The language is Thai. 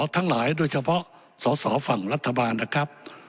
ทั้งหลายโดยเฉพาะสอสอฝั่งรัฐบาลนะครับ